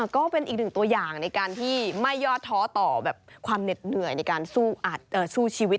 ก็เป็นอีกหนึ่งตัวอย่างในการที่ไม่ยอดท้อต่อความเหน็ดเหนื่อยในการสู้ชีวิต